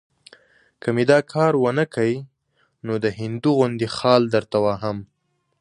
که مې دا کار ونه کړ، نو د هندو غوندې خال درته وهم.